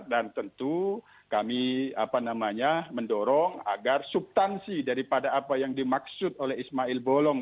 dan tentu kami mendorong agar subtansi daripada apa yang dimaksud oleh ismail bolong